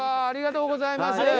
ありがとうございます。